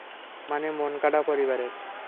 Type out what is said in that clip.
মানে, মনকাডা পরিবারের?